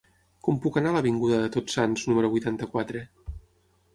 Com puc anar a l'avinguda de Tots Sants número vuitanta-quatre?